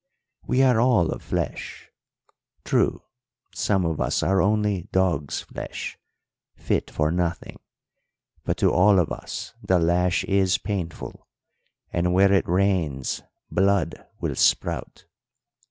We are all of flesh. True, some of us are only dog's flesh, fit for nothing; but to all of us the lash is painful, and where it rains blood will sprout.